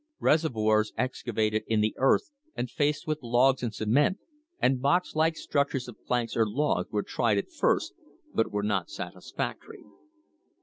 Reservoirs excavated in the earth and faced with logs and cement, and box like structures of planks or logs were tried at first but were not satisfactory.